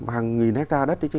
hàng nghìn hectare đất đấy chứ